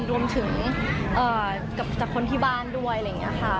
รวมถึงกับคนที่บ้านด้วยอะไรอย่างนี้ค่ะ